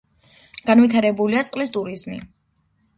განვითარებულია წყლის ტურიზმი.